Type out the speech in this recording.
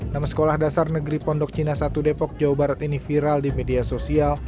nama sekolah dasar negeri pondok cina satu depok jawa barat ini viral di media sosial